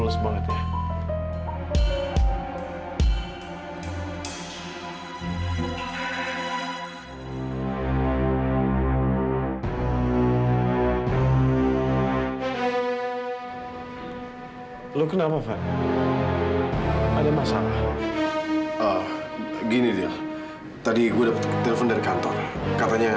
sampai jumpa di video selanjutnya